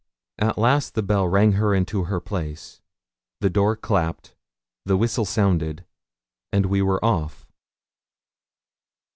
At last the bell rang her into her place, the door clapt, the whistle sounded, and we were off.